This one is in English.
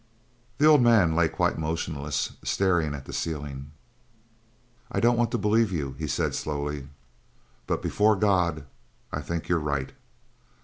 The old man lay quite motionless, staring at the ceiling. "I don't want to believe you," he said slowly, "but before God I think you're right.